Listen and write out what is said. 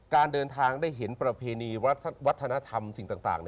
การเดินทางได้เห็นประเพณีวัฒนธรรมสิ่งต่าง